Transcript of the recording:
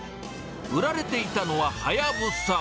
売られていたのはハヤブサ。